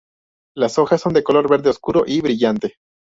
Las hojas son de color verde oscuro y brillante.